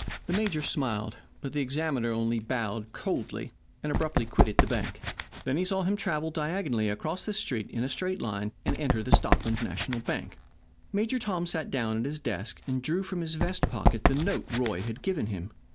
The major smiled, but the examiner only bowed coldly, and abruptly quitted the bank. They saw him travel diagonally across the street in a straight line and enter the Stockmen's National Bank. Major Tom sat down at his desk, and drew from his vest pocket the note Roy had given him.